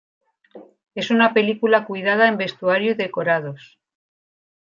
Es una película cuidada en vestuario y decorados.